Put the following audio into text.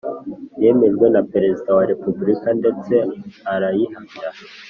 Yemejwe na Perezida wa Repubulika ndetse arayihamya